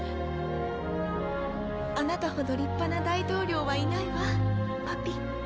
アナタほど立派な大統領はいないわパピ。